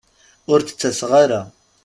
Ur d-ttaseɣ ara.